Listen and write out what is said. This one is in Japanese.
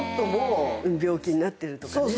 病気になってるとかね。